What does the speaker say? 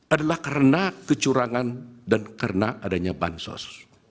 adalah karena kecurangan dan karena adanya bansos